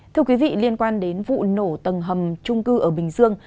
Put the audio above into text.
thưa quý vị liên quan đến vụ nổ tầng hầm trung cư ở bình dương